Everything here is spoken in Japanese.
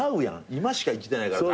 今しか生きてないからさ。